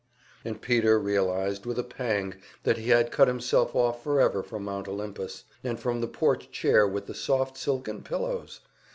And Peter realized with a pang that he had cut himself off forever from Mount Olympus, and from the porch chair with the soft silken pillows!